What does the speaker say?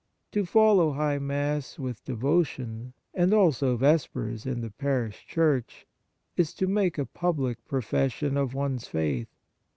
To follow High Mass with de votion, and also Vespers in the parish church, is to make a public profession of one s faith.